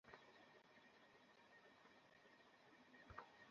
আমি তখনই মুসলমান হয়ে যাই।